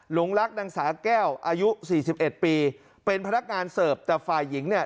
หลวงรักนางสาแก้วอายุสี่สิบเอ็ดปีเป็นพนักงานเสิร์ฟแต่ฝ่ายหญิงเนี่ย